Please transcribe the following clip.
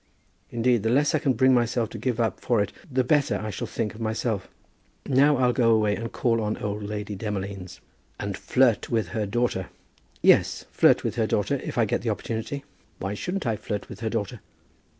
Indeed the less I can bring myself to give up for it, the better I shall think of myself. Now I'll go away and call on old lady Demolines. "And flirt with her daughter." "Yes; flirt with her daughter, if I get the opportunity. Why shouldn't I flirt with her daughter?"